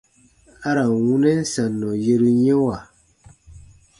A ra n wunɛn sannɔ yeru yɛ̃wa.